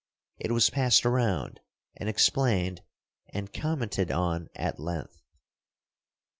It was passed around, and explained and commented on at length.